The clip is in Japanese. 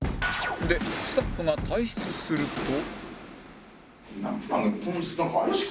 でスタッフが退出すると